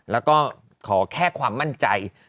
แล้วก็ขอแค่ความมั่นใจ